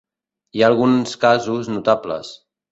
Hi ha alguns casos notables.